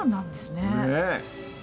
ねえ。